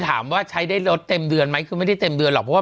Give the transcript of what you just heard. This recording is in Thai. ถามว่าใช้ได้ลดเต็มเดือนไหมคือไม่ได้เต็มเดือนหรอกเพราะว่า